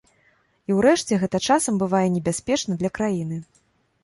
І ўрэшце гэта часам бывае небяспечна для краіны.